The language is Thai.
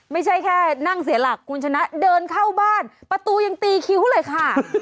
ไม่ใช่แค่นั่งเสียหลักคุณชนะเดินเข้าบ้านประตูยังตีคิ้วเลยค่ะ